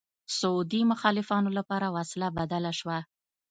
سعودي مخالفانو لپاره وسله بدله شوه